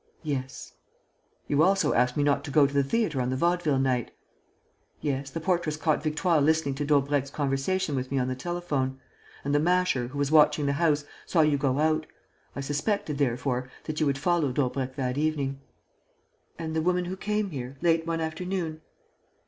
"Yes." "You also asked me not to go to the theatre on the Vaudeville night?" "Yes, the portress caught Victoire listening to Daubrecq's conversation with me on the telephone; and the Masher, who was watching the house, saw you go out. I suspected, therefore, that you would follow Daubrecq that evening." "And the woman who came here, late one afternoon...."